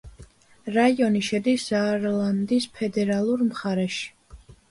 რაიონი შედის ზაარლანდის ფედერალურ მხარეში.